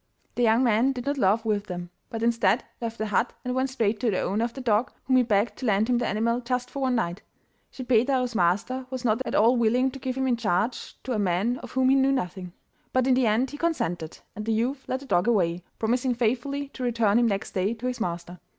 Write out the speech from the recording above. The young man did not laugh with them, but instead left the hut and went straight to the owner of the dog, whom he begged to lend him the animal just for one night. Schippeitaro's master was not at all willing to give him in charge to a man of whom he knew nothing, but in the end he consented, and the youth led the dog away, promising faithfully to return him next day to his master.